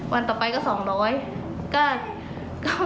วันต่อไปก็๒๐๐บาท